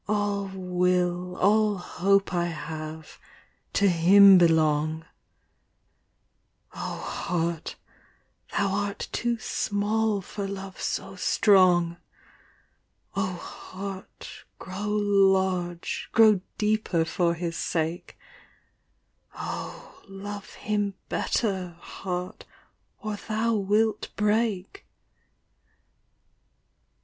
AD will, all hope I have, to him belong; Oh heart, thou art too small for love so strong : Oh heart, grow larg^ grow deeper for his sake; Oh love him better, heart, or dioa wilt break